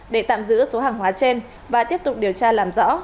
để tạm giữ số hàng hóa trên và tiếp tục điều tra làm rõ